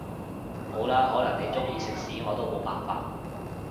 好啦，可能你鍾意食屎我都冇辦法